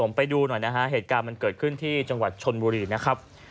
ไปดูหน่อยนะฮะเหตุการณ์มันเกิดขึ้นที่จังหวัดชนบุรีนะครับ